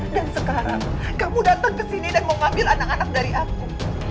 dan sekarang kamu datang ke sini dan mau ngambil anak anak dari aku